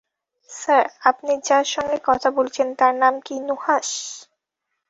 Sir, আপনি যার সঙ্গে কথা বলেছেন তার নাম কি নুহাশ?